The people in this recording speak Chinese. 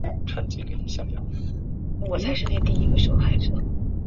少詹事二员。